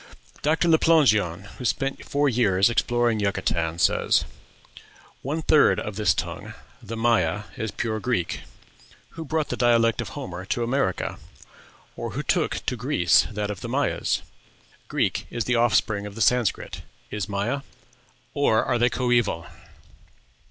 Dr. Le Plongeon, who spent four years exploring Yucatan, says: "One third of this tongue (the Maya) is pure Greek. Who brought the dialect of Homer to America? or who took to Greece that of the Mayas? Greek is the offspring of the Sanscrit. Is Maya? or are they coeval?...